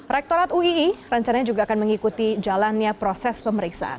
rektorat uii rencananya juga akan mengikuti jalannya proses pemeriksaan